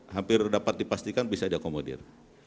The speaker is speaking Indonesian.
hampir dapat dipastikan bisa diakomodir